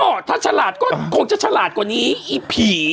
ก็ถ้าฉลาดก็คงจะฉลาดกว่านี้อีผี